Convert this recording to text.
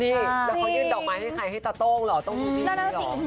แล้วเขายื่นดอกไม้ให้ใครให้ตะโต้งหรอต้องเป็นพี่นี่หรอ